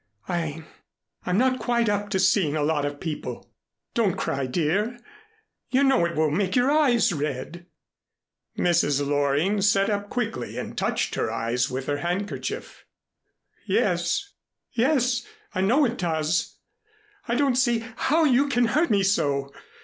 I I'm not quite up to seeing a lot of people. Don't cry, dear. You know it will make your eyes red." Mrs. Loring set up quickly and touched her eyes with her handkerchief. "Yes, yes; I know it does. I don't see how you can hurt me so.